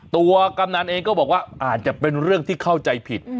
กำนันเองก็บอกว่าอาจจะเป็นเรื่องที่เข้าใจผิด